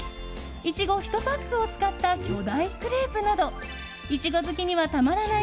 イチゴ１パックを使った巨大クレープなどイチゴ好きにはたまらない